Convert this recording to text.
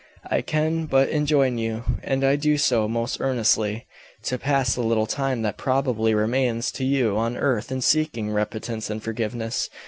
I can but enjoin you, and I do so most earnestly, to pass the little time that probably remains to you on earth in seeking repentance and forgiveness.